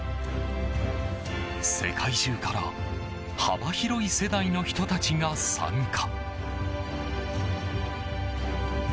世界中から幅広い世代の人たちが参加。